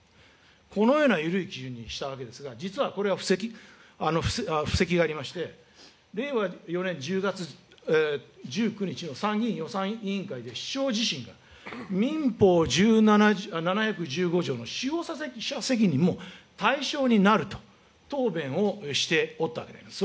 このような緩い基準にしたわけですが、実はこれは布石がありまして、令和４年１０月１９日の参議院予算委員会で、首相自身が民法７１５条の使用者責任も対象になると答弁をしておったわけであります。